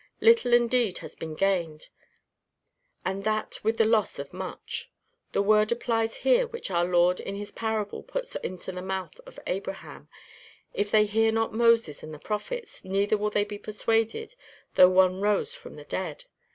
Little indeed has been gained, and that with the loss of much. The word applies here which our Lord in his parable puts into the mouth of Abraham: If they hear not Moses and the prophets, neither will they be persuaded though one rose from the dead.